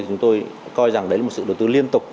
chúng tôi coi rằng đấy là một sự đầu tư liên tục